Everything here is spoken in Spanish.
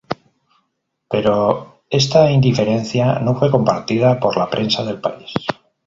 Pero esta indiferencia no fue compartida por la prensa del país.